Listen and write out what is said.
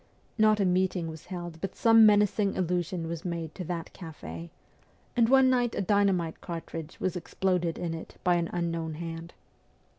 Not a meeting was held but some menacing allusion was made to that cafe, and one night a dynamite cartridge was exploded in it by an unknown hand.